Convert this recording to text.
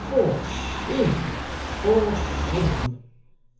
For shame. For shame!